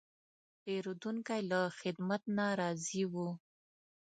پیرودونکی له خدمت نه راضي و.